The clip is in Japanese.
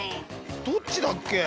どっちだっけ？